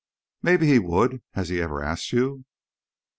"Maybe he would. Has he ever asked you?"